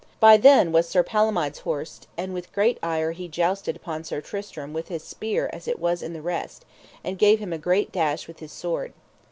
By then was Sir Palomides horsed, and with great ire he jousted upon Sir Tristram with his spear as it was in the rest, and gave him a great dash with his sword.